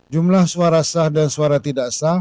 jumlah suara sah dan suara tidak sah